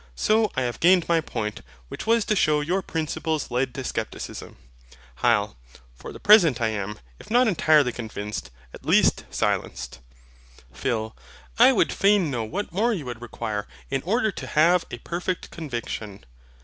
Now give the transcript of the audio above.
So I have gained my point, which was to shew your principles led to Scepticism. HYL. For the present I am, if not entirely convinced, at least silenced. PHIL. I would fain know what more you would require in order to a perfect conviction.